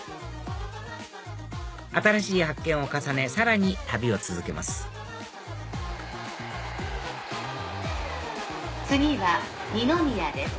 新しい発見を重ねさらに旅を続けます次は二宮です。